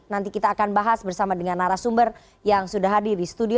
nanti kita akan bahas bersama dengan narasumber yang sudah hadir di studio